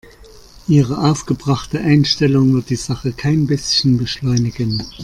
Ihre aufgebrachte Einstellung wird die Sache kein bisschen beschleunigen.